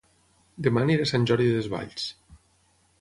Dema aniré a Sant Jordi Desvalls